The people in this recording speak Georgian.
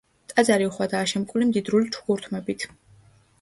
ტაძარი უხვადაა შემკული მდიდრული ჩუქურთმებით.